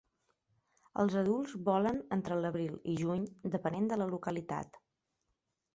Els adults volen entre l'abril i juny, depenent de la localitat.